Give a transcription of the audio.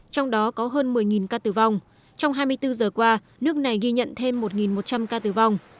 trong đó có hơn một mươi ca tử vong trong hai mươi bốn giờ qua nước này ghi nhận thêm một một trăm linh ca tử vong